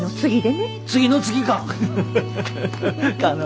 次の次か。